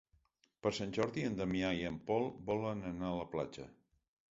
Per Sant Jordi en Damià i en Pol volen anar a la platja.